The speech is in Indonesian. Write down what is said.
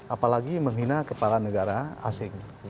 apalagi menghina kepala negara asing